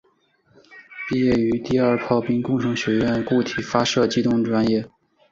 毕业于第二炮兵工程学院固体发动机专业。